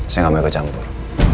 saya gak mau ikut campur